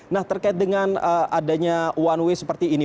nah terkait dengan adanya one way seperti ini